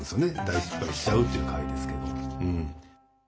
大失敗しちゃうっていう回ですけど。